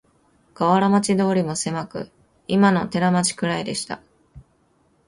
河原町通もせまく、いまの寺町くらいでした